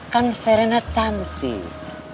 kan serena cantik